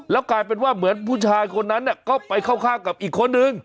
แล้วกลายเป็นว่าเหมือนผู้ชายคนนั้นก็ไปเข้าข้างกับอีกคนนึง